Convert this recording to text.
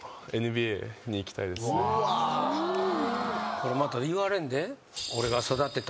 これまた言われんで。